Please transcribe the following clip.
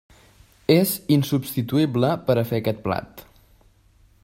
És insubstituïble per a fer aquest plat.